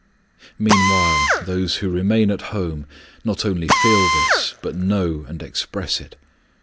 Meanwhile those who remain at home not only feel this, but know and express it.